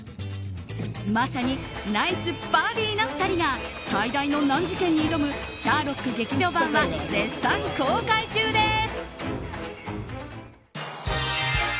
まさにナイスバディな２人が最大の難事件に挑む「シャーロック劇場版」は絶賛公開中です。